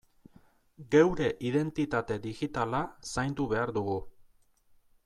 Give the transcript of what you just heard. Geure identitate digitala zaindu behar dugu.